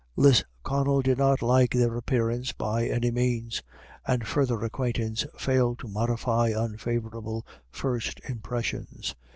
Lisconnel did not like their appearance by any means, and further acquaintance failed to modify unfavourable first impressions.